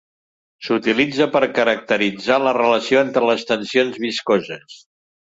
S'utilitza per caracteritzar la relació entre les tensions viscoses.